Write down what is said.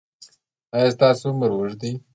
ایا ستاسو عمر اوږد دی؟